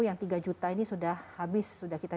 yang tiga juta ini sudah habis sudah kita